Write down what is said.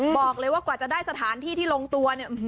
บอกเลยว่ากว่าจะได้สถานที่ที่ลงตัวเนี่ย